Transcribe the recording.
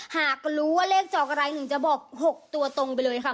หากรู้ว่าเลขจอกอะไรหนึ่งจะบอก๖ตัวตรงไปเลยค่ะ